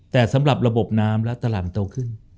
แต่สำหรับระบบน้ำและตลาดมันโตขึ้น